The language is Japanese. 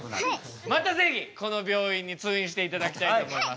また是非この病院に通院して頂きたいと思います。